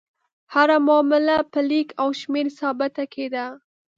هره معامله په لیک او شمېر ثابته کېده.